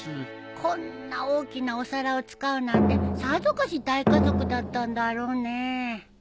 こんな大きなお皿を使うなんてさぞかし大家族だったんだろうね。